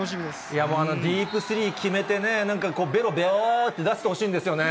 いや、もうディープスリー決めてね、べろ、びょーんって出してほしいんですよね。